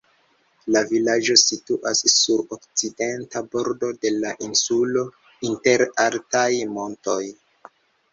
La vilaĝo situas sur okcidenta bordo de la insulo, inter altaj montoj.